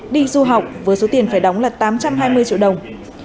đi du học với số tiền phải đóng là tám trăm hai mươi triệu đồng